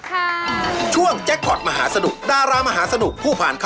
เดี๋ยวรอบหน้านะคะกลับมาเจอกันค่ะ